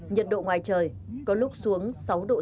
nhiệt độ ngoài trời có lúc xuống sáu độ c